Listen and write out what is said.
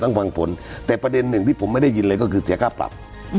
ฟังผลแต่ประเด็นหนึ่งที่ผมไม่ได้ยินเลยก็คือเสียค่าปรับ